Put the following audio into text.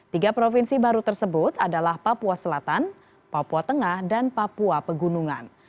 tiga provinsi baru tersebut adalah papua selatan papua tengah dan papua pegunungan